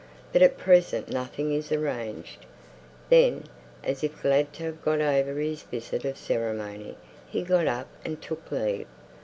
But at present nothing is arranged." Then, as if glad to have got over his "visit of ceremony," he got up and took leave.